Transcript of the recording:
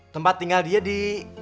tempat tinggal dia di